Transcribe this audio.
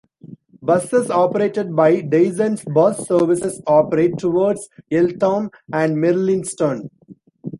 Buses operated by Dyson's Bus Services operate towards Eltham and Merlynston.